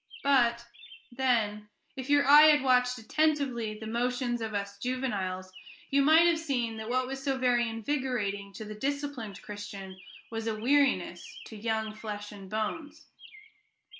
But, then, if your eye had watched attentively the motions of us juveniles, you might have seen that what was so very invigorating to the disciplined Christian was a weariness to young flesh and bones.